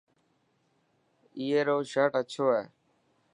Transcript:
ائرو شرٽ اڇو هي.